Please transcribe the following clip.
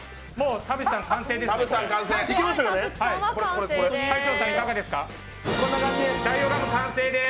田渕さんは完成です。